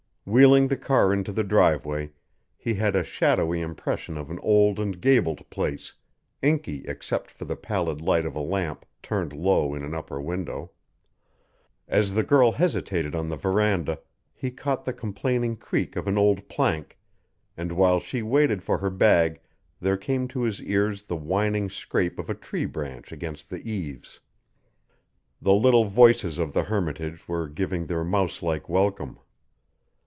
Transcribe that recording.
Wheeling the car into the driveway, he had a shadowy impression of an old and gabled place, inky except for the pallid light of a lamp turned low in an upper window. As the girl hesitated on the verandah, he caught the complaining creak of an old plank, and while she waited for her bag there came to his ears the whining scrape of a tree branch against the eaves. The little voices of the hermitage were giving their mouselike welcome.